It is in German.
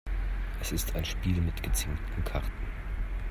Es ist ein Spiel mit gezinkten Karten.